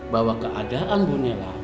bahwa keadaan ibu nayla